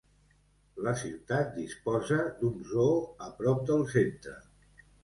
La ciutat disposa d'un zoo a prop del centre.